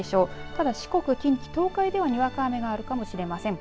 ただ四国、近畿、東海ではにわか雨があるかもしれません。